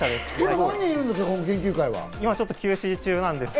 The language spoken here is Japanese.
何人いるんですか？